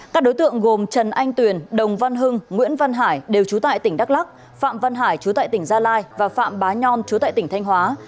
các đối tượng gồm trần anh tuyền đồng văn hưng nguyễn văn hải đều trú tại tỉnh đắk lắc phạm văn hải chú tại tỉnh gia lai và phạm bá nhon chú tại tỉnh thanh hóa